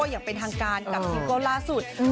ที่เป็นทางการกับจิงโก้ล่าสุด